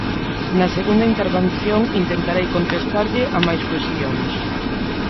Na segunda intervención intentarei contestarlle a máis cuestións.